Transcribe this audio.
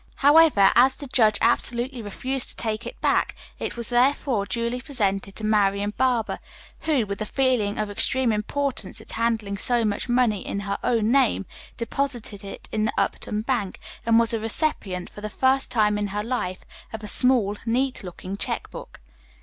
However, as the judge absolutely refused to take it back, it was therefore duly presented to Marian Barber, who, with a feeling of extreme importance at handling so much money in her own name, deposited it in the Upton Bank, and was the recipient, for the first time in her life, of a small, neat looking check book.